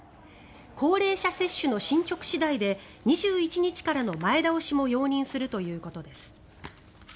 高齢者接種の進ちょく次第で２１日からの前倒しも容認するということです。